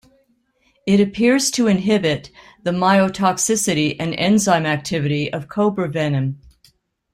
It appears to inhibit the myotoxicity and enzyme activity of cobra venom.